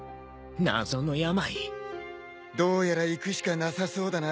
どうやら行くしかなさそうだな。